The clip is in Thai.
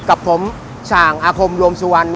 กับผมฉ่างอาคมรวมสุวรรณ